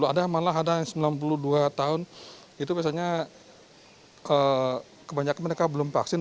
ada malah ada yang sembilan puluh dua tahun itu biasanya kebanyakan mereka belum vaksin